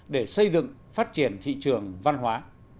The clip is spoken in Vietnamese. để xây dựng phát triển thị trường văn hóa